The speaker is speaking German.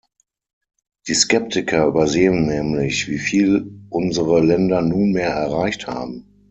Die Skeptiker übersehen nämlich, wie viel unsere Länder nunmehr erreicht haben.